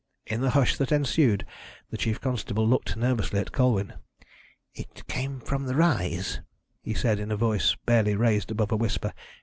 In the hush that ensued the chief constable looked nervously at Colwyn. "It came from the rise," he said in a voice barely raised above a whisper.